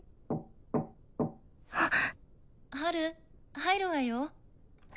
入るわよ。